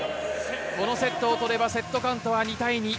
このセットを取ればセットカウントは２対２。